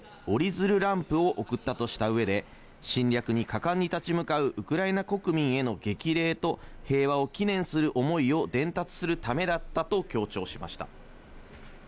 岸田総理は必勝しゃもじに加え、折り鶴ランプを贈ったとした上で、侵略に果敢に立ち向かうウクライナ国民への激励と、平和を祈念する思いを伝達するためだったと強調しました。